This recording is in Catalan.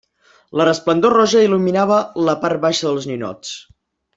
La resplendor roja il·luminava la part baixa dels ninots.